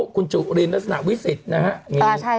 คุณจุริราศนาวิสิทธิ์นะครับ